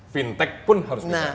fintech pun harus bisa